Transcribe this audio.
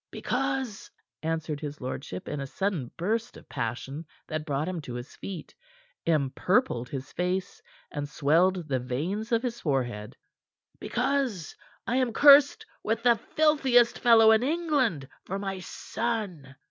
"Because," answered his lordship in a sudden burst of passion that brought him to his feet, empurpled his face and swelled the veins of his forehead, "because I am cursed with the filthiest fellow in England for my son."